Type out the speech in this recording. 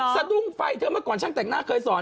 สะดุ้งไฟเธอเมื่อก่อนช่างแต่งหน้าเคยสอน